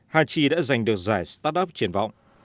hachi đã giành được giải start up triển vọng